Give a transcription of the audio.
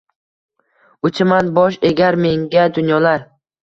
Uchaman — bosh egar menga dunyolar